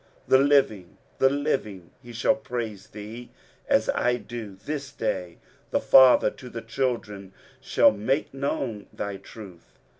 23:038:019 The living, the living, he shall praise thee, as I do this day: the father to the children shall make known thy truth.